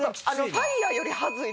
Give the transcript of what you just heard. ＦＩＲＥより恥ずい。